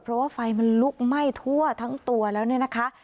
เพราะว่าไฟมันลุกไหม้ทั่วทั้งตัวแล้วเนี่ยนะคะ